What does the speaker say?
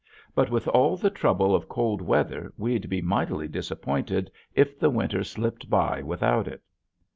But with all the trouble of cold weather we'd be mightily disappointed if the winter slipped by without it.